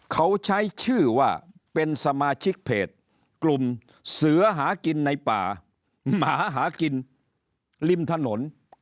เขาใช้ชื่อว่าเป็นสมาชิกเพจกลุ่มเสือหากินในป่ามาหากินริมถนน